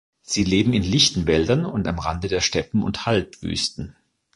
Sie leben in lichten Wäldern und am Rande der Steppen und Halbwüsten.